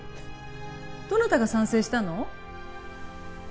どなたが賛成したの？